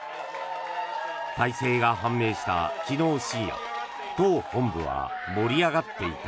大勢が判明した昨日深夜党本部は盛り上がっていた。